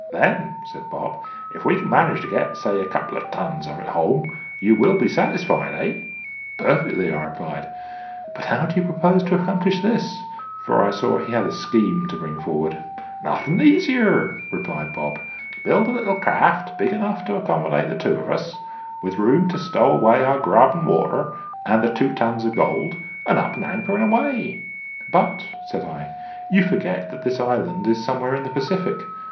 "Then," said Bob, "if we can manage to get, say, a couple of tons of it home, you will be satisfied eh?" "Perfectly," I replied; "but how do you propose to accomplish this?" for I saw he had a scheme to bring forward. "Nothing easier," replied Bob. "Build a little craft big enough to accommodate the two of us; with room to stow away our grub and water, and the two tons of gold; and up anchor and away." "But," said I, "you forget that this island is somewhere in the Pacific.